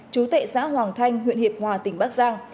chú tệ xã hoàng thanh huyện hiệp hòa tỉnh bắc giang